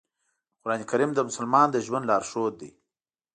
قرآن کریم د مسلمان د ژوند لارښود دی.